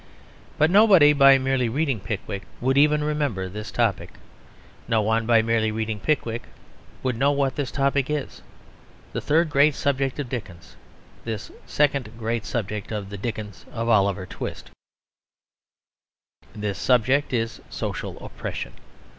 But nobody by merely reading Pickwick would even remember this topic; no one by merely reading Pickwick would know what this topic is; this third great subject of Dickens; this second great subject of the Dickens of Oliver Twist. This subject is social oppression.